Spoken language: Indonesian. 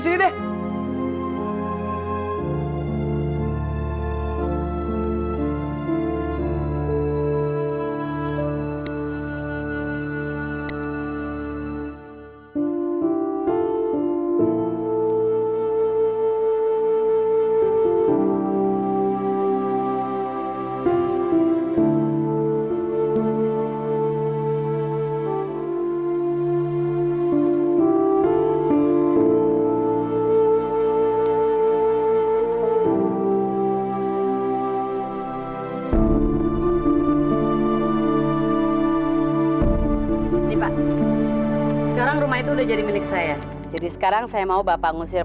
saya nggak mau keluar